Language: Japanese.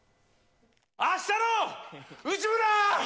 「あしたの内村！！」。